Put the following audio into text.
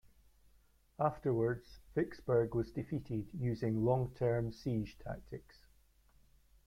Afterwards Vicksburg was defeated using long term siege tactics.